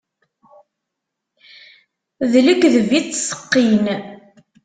S lekdeb i ttseqqin.